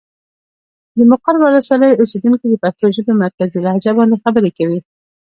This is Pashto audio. د مقر ولسوالي اوسېدونکي د پښتو ژبې مرکزي لهجه باندې خبرې کوي.